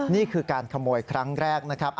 นี่คือการขโมยครั้งแรกนะครับ